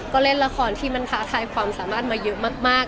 ก็เล่นละครที่มันท้าทายความสามารถมาเยอะมาก